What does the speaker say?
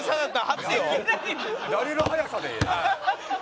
やれる速さで。